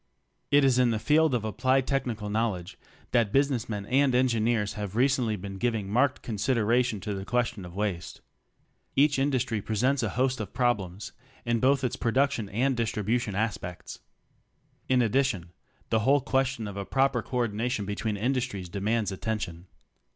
— "it is in the field of applied technical knowledge that busi ness men and engineers have recently been giving marked consideration to the question of waste. Each industry pre sents a host of problems in both its production and distribu tion aspects. In addition the whole question of a proper co ordination between industries demands attention.